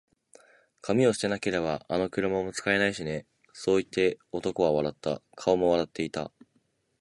「紙を捨てなけれれば、あの車も使えないしね」そう言って、男は笑った。顔も笑っていた。